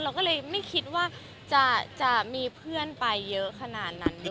เราก็เลยไม่คิดว่าจะมีเพื่อนไปเยอะขนาดนั้น